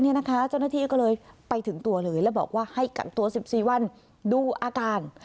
เจ้าหน้าที่ก็เลยไปถึงตัวเลยแล้วบอกว่าให้กักตัว๑๔วันดูอาการ